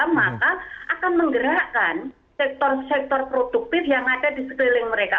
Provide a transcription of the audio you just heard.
maka akan menggerakkan sektor sektor produktif yang ada di sekeliling mereka